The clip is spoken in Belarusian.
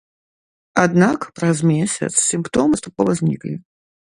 Аднак праз месяц сімптомы паступова зніклі.